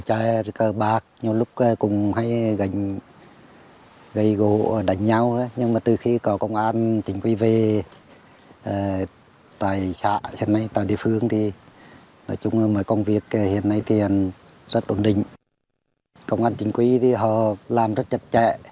công an chính quy thì họ làm rất chặt chẽ